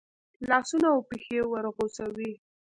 لاسونه او پښې ورغوڅوي.